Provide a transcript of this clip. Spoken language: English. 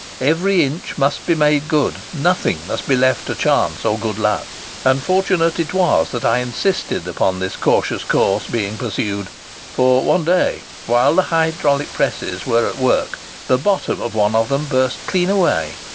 Every inch must be made good. Nothing must be left to chance or good luck.' And fortunate it was that I insisted upon this cautious course being pursued; for, one day, while the hydraulic presses were at work, the bottom of one of them burst clean away!